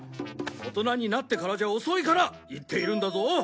大人になってからじゃ遅いから言っているんだぞ！